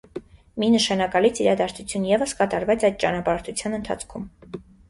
Մի նշանակալից իրադարձություն ևս կատարվեց այդ ճանապարհորդության ընթացքում։